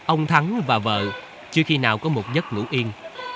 ông thắng và vợ chưa khi nào có một nhất ngủ yên